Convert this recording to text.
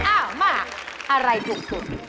อ้าวมาอะไรถูกสุด